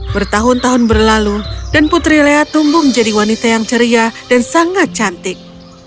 bertahun tahun berlalu dan putri lea tumbuh menjadi wanita yang ceria dan sangat cantik